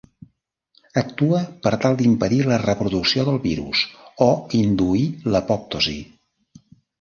Actua per tal d’impedir la reproducció del virus o induir l’apoptosi.